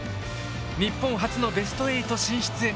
日本初のベスト８進出へ。